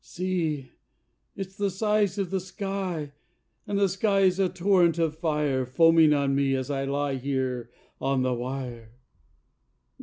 See! It's the size of the sky, And the sky is a torrent of fire, Foaming on me as I lie Here on the wire